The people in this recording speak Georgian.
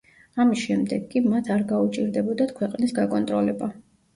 ამის შემდეგ კი მათ არ გაუჭირდებოდათ ქვეყნის გაკონტროლება.